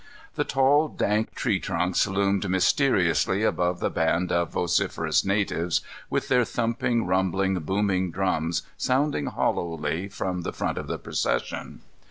The tall, dank tree trunks loomed mysteriously above the band of vociferous natives, with their thumping, rumbling, booming drums sounding hollowly from the front of the procession.